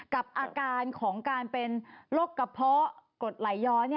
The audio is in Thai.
กับอาการของการเป็นโรคกระเพาะกดไหลย้อย